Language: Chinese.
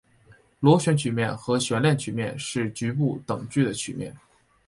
螺旋曲面和悬链曲面是局部等距的曲面。